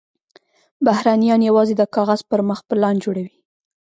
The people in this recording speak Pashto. بهرنیان یوازې د کاغذ پر مخ پلان جوړوي.